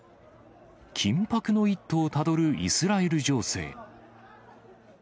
緊迫の一途をたどるイスラエル情勢。